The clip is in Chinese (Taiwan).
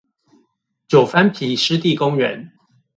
九番埤濕地公園